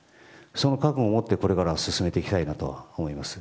その覚悟を持って進めていきたいなと思います。